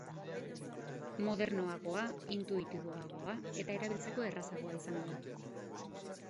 Modernoagoa, intuitiboagoa eta erabiltzeko errazagoa izango da.